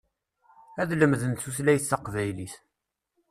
Ad lemden tutlayt taqbaylit.